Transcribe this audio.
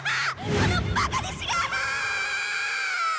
このバカ弟子がーッ！